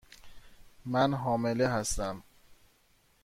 من حامله هستم.